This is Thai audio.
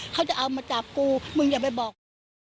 เขาจะเอามาจับกูมึงอย่าไปบอกมึง